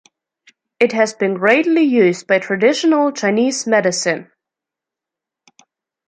It has been greatly used by traditional Chinese medicine.